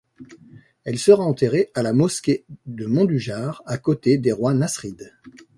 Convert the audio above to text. Elle sera enterrée à la mosquée de Mondújar à côté des rois nasrides.